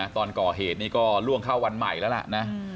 ตอนก่อเหตุนี้ก็ล่วงเข้าวันใหม่แล้วล่ะนะ